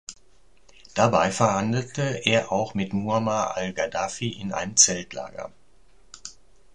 Dabei verhandelte er auch mit Muammar al-Gaddafi in einem Zeltlager.